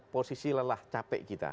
posisi lelah capek kita